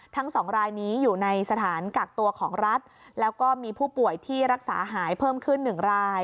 ทั้งสองรายนี้อยู่ในสถานกักตัวของรัฐแล้วก็มีผู้ป่วยที่รักษาหายเพิ่มขึ้น๑ราย